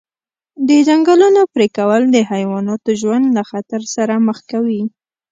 د ځنګلونو پرېکول د حیواناتو ژوند له خطر سره مخ کوي.